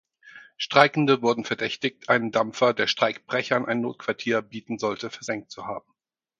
Streikende wurden verdächtigt, einen Dampfer, der Streikbrechern ein Notquartier bieten sollte, versenkt zu haben.